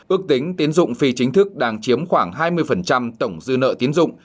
ước tính tiến dụng phi chính thức đang chiếm khoảng hai mươi tổng dư nợ tiến dụng